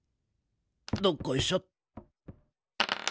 どっこいしょ。